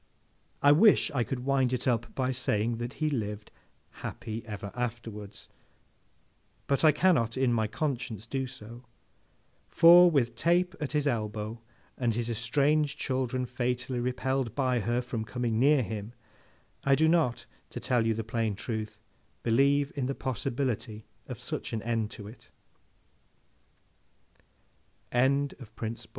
I wish I could wind it up by saying that he lived happy ever afterwards, but I cannot in my conscience do so; for, with Tape at his elbow, and his estranged children fatally repelled by her from coming near him, I do not, to tell you the plain truth, believe in the possibility of